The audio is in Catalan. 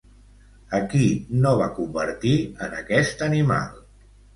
A qui no va convertir en aquest animal?